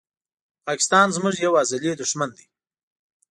پاکستان زموږ یو ازلې دښمن دي